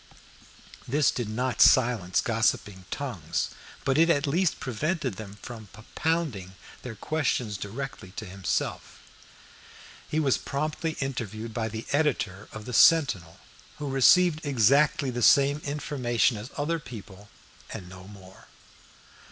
This did not silence gossiping tongues, but it at least prevented them from propounding their questions directly to himself. He was promptly interviewed by the editor of the Sentinel, who received exactly the same information as other people, and no more.